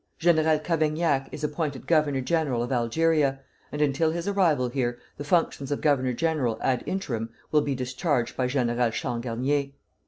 General Cavaignac is appointed governor general of Algeria, and until his arrival here, the functions of governor general ad interim will be discharged by General Changarnier.